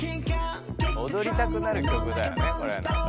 おどりたくなる曲だよねこれ。